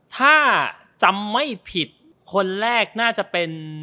ถ้าจำไม่ผิดคนแรกน่าจะเป็น